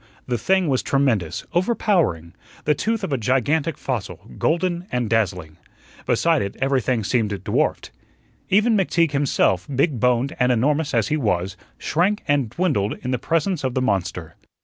The thing was tremendous, overpowering the tooth of a gigantic fossil, golden and dazzling. Beside it everything seemed dwarfed. Even McTeague himself, big boned and enormous as he was, shrank and dwindled in the presence of the monster.